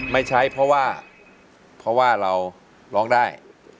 ไม่ใช้เพราะว่าเราร้องได้